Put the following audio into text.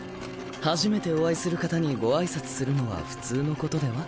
初めてお会いする方にご挨拶するのは普通のことでは？